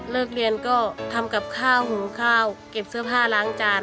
เรียนก็ทำกับข้าวหุงข้าวเก็บเสื้อผ้าล้างจาน